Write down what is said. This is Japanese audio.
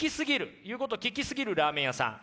言うことを聞きすぎるラーメン屋さん。